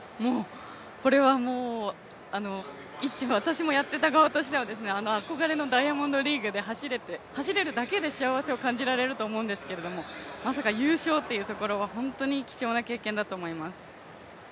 これはもう、私もやっていた側としては、憧れのダイヤモンドリーグで走れるだけで幸せを感じられると思うんですがまさか優勝というところは、本当に貴重な経験だと思います。